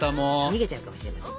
逃げちゃうかもしれません。